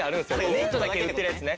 ネットだけ売ってるやつね。